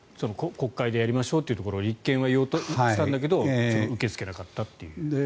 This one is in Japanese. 国会でやりましょうっていうところを立憲は言おうとしたんだけど受け付けなかったと。